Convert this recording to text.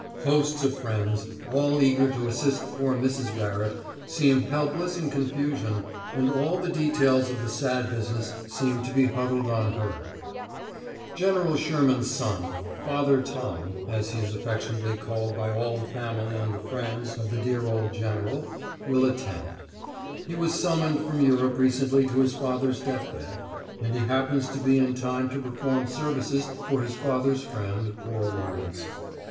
Hosts of friends, all eager to assist poor Mrs. Barrett, seem helpless in confusion, and all the details of the sad business seem to be huddled on her ... General Sherman's son, "Father Tom," as he is affectionately called by all the family and the friends of the dear old General, will attend. He was summoned from Europe recently to his father's deathbed, and he happens to be in time to perform services for his father's friend, poor Lawrence.